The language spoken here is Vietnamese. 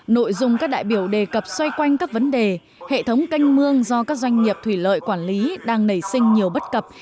nội dung các đại biểu đề cập xoay quanh các vấn đề hệ thống canh mương do các doanh nghiệp thủy lợi quản lý đang nảy sinh nhiều bất cập